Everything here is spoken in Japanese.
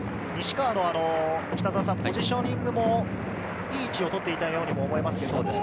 西川のポジショニングもいい位置をとっていたように思います。